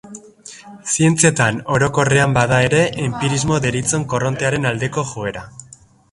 Zientzietan, orokorrean, bada ere enpirismo deritzon korrontearen aldeko joera.